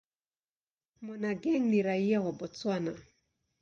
Monageng ni raia wa Botswana.